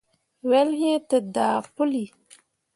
Wel iŋ te daa puli.